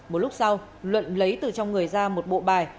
một lúc sau luận lấy từ trong người ra một bộ bài